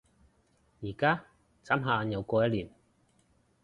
而家？眨下眼又過一年